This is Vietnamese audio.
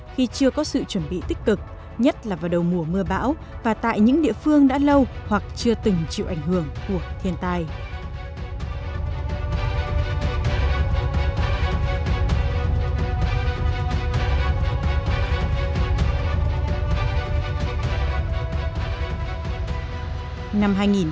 khi chưa có sự chuẩn bị tích cực nhất là vào đầu mùa mưa bão và tại những địa phương đã lâu hoặc chưa từng chịu ảnh hưởng của thiên tai